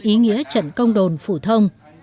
ý nghĩa trận công đồn phủ thông